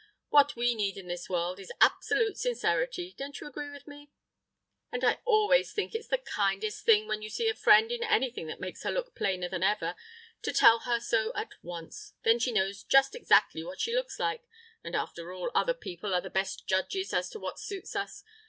What we need in this world is absolute sincerity; don't you agree with me? And I always think it's the kindest thing when you see a friend in anything that makes her look plainer than ever, to tell her so at once, then she knows just exactly what she looks like. And, after all, other people are the best judges as to what suits us.